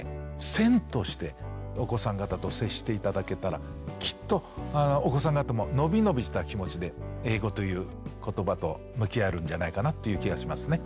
線としてお子さん方と接して頂けたらきっとお子さん方も伸び伸びした気持ちで英語という言葉と向き合えるんじゃないかなっていう気がしますね。